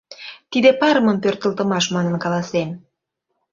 Тиде парымым пӧртылтымаш манын каласем.